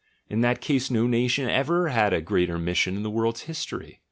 In that case no nation ever had a greater mission in the world's history.